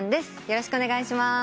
よろしくお願いします。